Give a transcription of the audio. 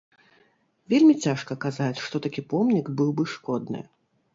Вельмі цяжка казаць, што такі помнік быў бы шкодны.